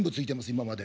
今まで。